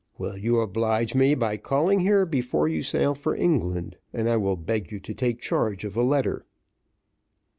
Will you oblige me by calling here before you sail for England, and I will beg you to take charge of a letter."